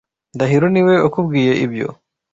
Ndahiro niwe wakubwiye ibyo?